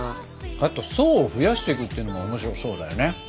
あと層を増やしていくっていうのもおもしろそうだよね。